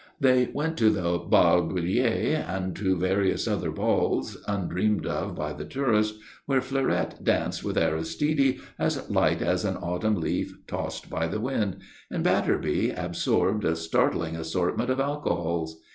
They went to the Bal Bullier and to various other balls undreamed of by the tourist, where Fleurette danced with Aristide, as light as an autumn leaf tossed by the wind, and Batterby absorbed a startling assortment of alcohols.